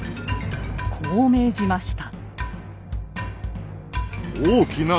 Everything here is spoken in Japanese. こう命じました。